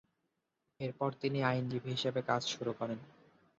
এরপর তিনি আইনজীবী হিসেবে কাজ শুরু করেন।